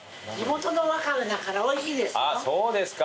そうですか